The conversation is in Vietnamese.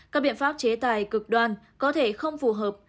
các biện pháp chế tài cực đoan có thể không phù hợp